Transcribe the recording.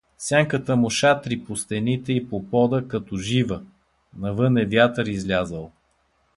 Сянката му шатри по стените и по пода като жива… Навън е вятър излязъл.